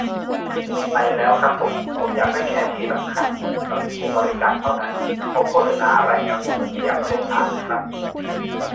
ไปแล้วครับผม ผมอยากได้แค่ที่สำคัญกับบริการเท่านั้น พวกโฆษณาอะไรแนวนี้ผมไม่อยากรู้ผ่าน ครับ